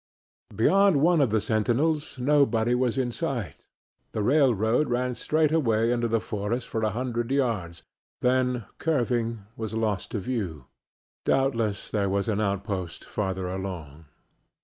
Beyond one of the sentinels nobody was in sight; the railroad ran straight away into a forest for a hundred yards, then, curving, was lost to view. Doubtless there was an outpost farther along.